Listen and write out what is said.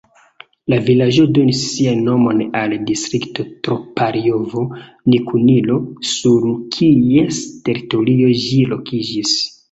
La vilaĝo donis sian nomon al distrikto Troparjovo-Nikulino, sur kies teritorio ĝi lokiĝis.